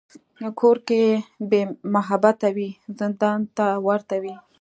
کور که بېمحبته وي، زندان ته ورته وي.